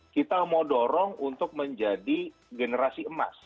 kita mau dorong untuk menjadi generasi emas